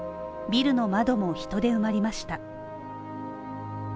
ビルの窓も人で埋まりました。